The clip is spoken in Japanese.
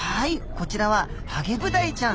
こちらはハゲブダイちゃん。